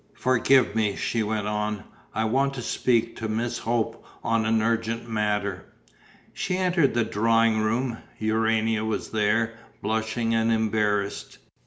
"Forgive me," she went on. "I want to speak to Miss Hope on an urgent matter." She entered the drawing room; Urania was there, blushing and embarrassed.